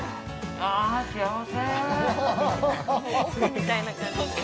あ幸せ。